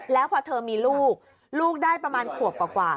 แล้วพอเธอมีลูกลูกได้ประมาณขวบกว่า